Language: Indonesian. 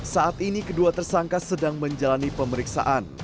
saat ini kedua tersangka sedang menjalani pemeriksaan